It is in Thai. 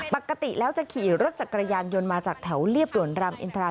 ปกติแล้วจะขี่รถจักรยานยนต์มาจากแถวเรียบด่วนรามอินทรา